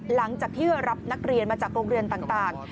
หลังจากที่รับนักเรียนมาจากโรงเรียนต่าง